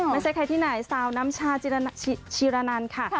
ไม่ใช่ใครที่ไหนสาวน้ำชาชีระนันค่ะ